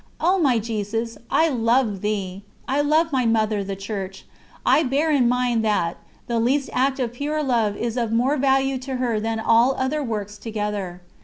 O my Jesus, I love Thee! I love my Mother, the Church; I bear in mind that "the least act of pure love is of more value to her than all other works together."